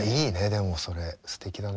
でもそれすてきだな。